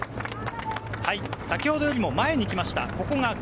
先ほどよりも前に来ました。